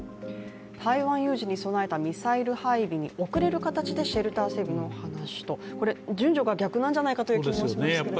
台湾有事に備えたミサイル配備に遅れる形でシェルター整備の話と順序が逆なんじゃないかという気もしましたけれども。